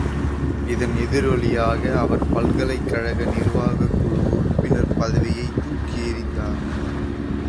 இதன் எதிரொலியாக, அவர் பல்கலைக் கழக நிர்வாகக் குழு உறுப்பினர் பதவியைத் தூக்கி எறிந்தார்.